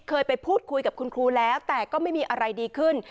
เคยไปพูดคุยกับคุณครูแล้วแต่ก็ไม่มีอะไรดีขึ้น